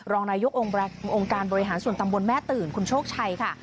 รองนายกองค์การบริหารส่วนตำบลแม่ตื่นคุณโชคชัยค่ะ